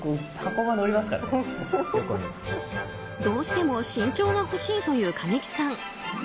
どうしても身長が欲しいという神木さん。